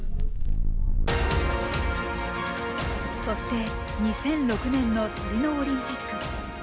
そして２００６年のトリノオリンピック。